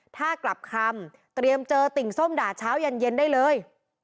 ถ้ากลับคำเตรียมเจอติ่งส้มด่าเช้าเย็นได้เลย